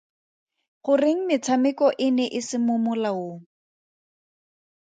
Goreng metshameko e ne e se mo molaong?